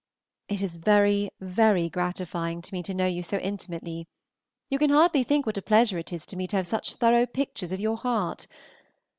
It is very, very gratifying to me to know you so intimately. You can hardly think what a pleasure it is to me to have such thorough pictures of your heart.